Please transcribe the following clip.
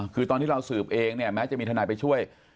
อ๋อคือตอนที่เราสืบเองแม้จะมีธนาคารไปช่วย